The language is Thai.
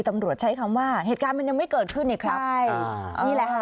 ตำรวจใช้คำว่าเหตุการณ์ยังไม่เกิดขึ้นเนี่ยครับ